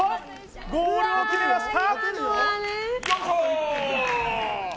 ゴールを決めました！